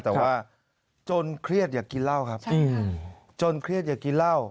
แต่ว่าจนเครียดอย่ากินเหล้าครับจนเครียดอย่ากินเหล้า